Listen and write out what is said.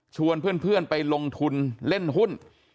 ชวนเพื่อนไปลงทุนเล่นหุ้น